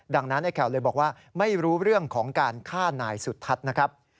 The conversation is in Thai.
ดังนั้นไอ้แขวเลยบอกว่าไม่รู้เรื่องของการฆ่านายสุทัศน์นะครับ